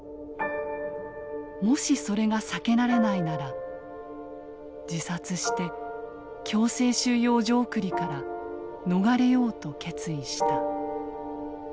もしそれが避けられないなら自殺して強制収容所送りから逃れようと決意した」。